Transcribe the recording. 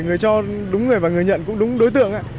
người cho đúng người và người nhận cũng đúng đối tượng